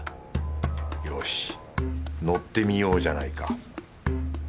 よし乗ってみようじゃないか